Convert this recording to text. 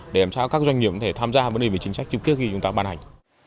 để làm sao các doanh nghiệp có thể tham gia vấn đề về chính sách chung trước khi chúng ta ban hành